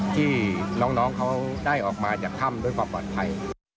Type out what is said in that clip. ที่น้องเขาได้ออกมาจากถ้ำด้วยความปลอดภัย